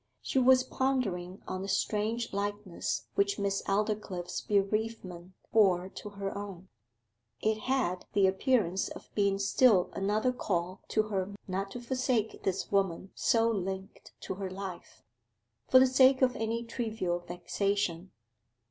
She was pondering on the strange likeness which Miss Aldclyffe's bereavement bore to her own; it had the appearance of being still another call to her not to forsake this woman so linked to her life, for the sake of any trivial vexation.